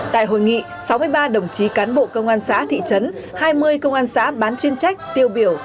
tại hội nghị sáu mươi ba đồng chí cán bộ công an xã thị trấn hai mươi công an xã bán chuyên trách tiêu biểu